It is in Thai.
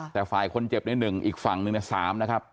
แต่ฝ่ายคนเจ็บในหนึ่งอีกฝั่งหนึ่งในสามนะครับ